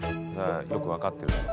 よく分かってるから。